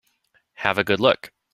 Have a good look.